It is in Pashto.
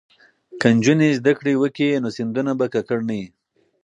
که نجونې زده کړې وکړي نو سیندونه به ککړ نه وي.